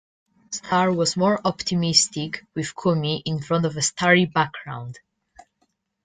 "Star" was more optimistic, with Kumi in front of a starry background.